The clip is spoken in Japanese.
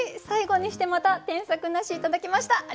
最後にしてまた添削なし頂きました。